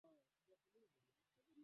Aliumia sana alipopata ajali